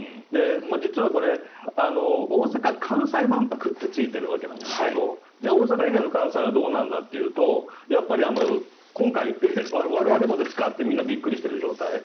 実はこれ、大阪・関西万博とついてるわけなんですけどじゃあ、大阪以外の関西はどうなんだというとやっぱり今回我々もですかってみんなびっくりしている状態。